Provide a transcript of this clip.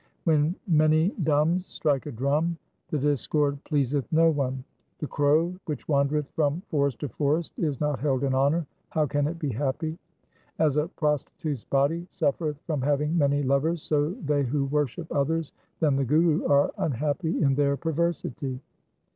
When many Dums strike a drum, the discord pleaseth no one. The crow which wandereth from forest to forest is not held in honour ; how can it be happy ? As a prostitute's body suffereth from having many lovers, so they who worship others than the Guru are unhappy in their perversity.